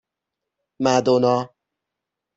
مدونا